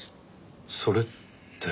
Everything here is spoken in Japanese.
それって。